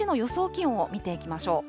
気温を見ていきましょう。